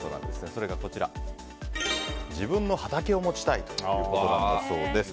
それが、自分の畑を持ちたいということなんだそうです。